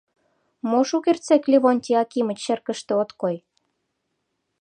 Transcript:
Мо шукертсек, Левонтий Акимыч, черкыште от кой?